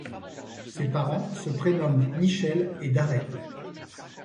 Ses parents se prénomment Michelle et Darrel.